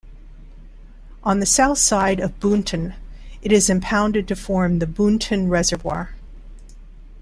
On the south side of Boonton it is impounded to form the Boonton Reservoir.